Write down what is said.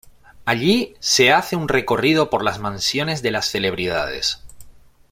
Allí se hace un recorrido por las mansiones de las celebridades.